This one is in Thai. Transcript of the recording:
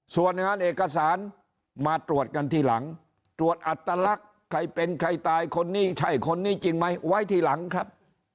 ส่วนงานเอกสารมาตรวจกันทีหลังตรวจอัตลักษณ์ใครเป็นใครตายคนนี้ใช่คนนี้จริงไหมไว้ทีหลังครับ